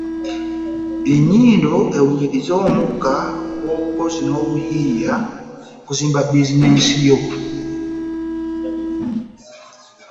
Ennyindo ewunyirize omukka ogw’obukozi n’obuyiiya okuzimba biizinensi yo